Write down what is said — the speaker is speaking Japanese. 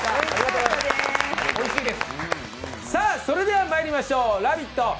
それではまいりましょう、「ラヴィット！」